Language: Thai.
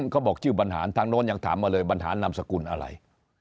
เขาบอกชื่อบรรหารทางโน้นยังถามมาเลยบรรหารนามสกุลอะไร